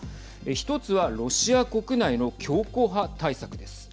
１つはロシア国内の強硬派対策です。